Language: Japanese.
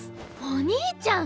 お兄ちゃん！